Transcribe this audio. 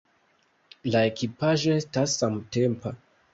La ekipaĵo estas samtempa.